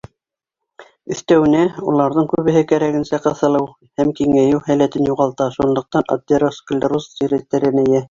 Өҫтәүенә, уларҙың күбеһе кәрәгенсә ҡыҫылыу һәм киңәйеү һәләтен юғалта, шунлыҡтан атеросклероз сире тәрәнәйә.